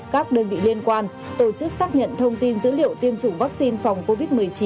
các đơn vị liên quan tổ chức xác nhận thông tin dữ liệu tiêm chủng vaccine phòng covid một mươi chín